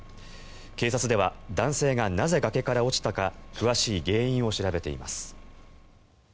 警察では男性がなぜ崖から落ちたか詳しい原因を調べています。